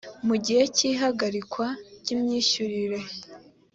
mu gihe cy ihagarikwa ry imyishyurire